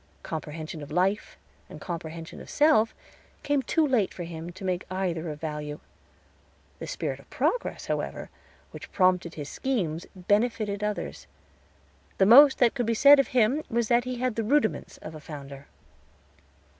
Comprehension of life, and comprehension of self, came too late for him to make either of value. The spirit of progress, however, which prompted his schemes benefited others. The most that could be said of him was that he had the rudiments of a Founder.